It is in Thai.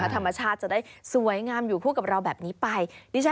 ธรรมชาติจะได้สวยงามอยู่คู่กับเราแบบนี้ไป